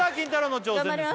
の挑戦です